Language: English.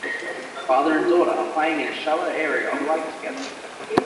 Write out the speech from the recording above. Father and daughter are playing in a shallow area of a lake together.